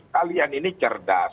kalian ini cerdas